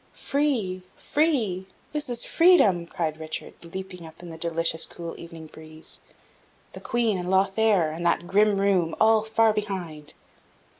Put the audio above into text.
"Free! free! this is freedom!" cried Richard, leaping up in the delicious cool evening breeze; "the Queen and Lothaire, and that grim room, all far behind."